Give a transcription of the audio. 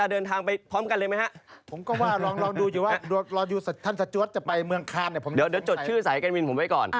เดี๋ยวจดชื่อสายการบินผมไว้ก่อน